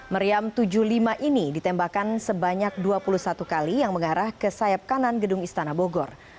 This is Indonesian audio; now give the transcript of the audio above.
meriam tujuh puluh lima ini ditembakkan sebanyak dua puluh satu kali yang mengarah ke sayap kanan gedung istana bogor